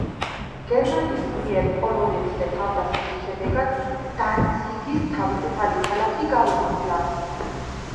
გერმანიის მიერ პოლონეთზე თავდასხმის შემდეგ, დანციგის თავისუფალი ქალაქი გაუქმდა.